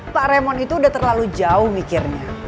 pak remon itu udah terlalu jauh mikirnya